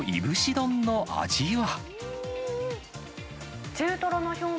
丼の味は。